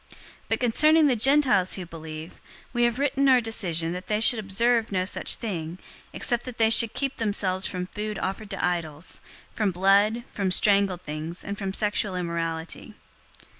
021:025 But concerning the Gentiles who believe, we have written our decision that they should observe no such thing, except that they should keep themselves from food offered to idols, from blood, from strangled things, and from sexual immorality."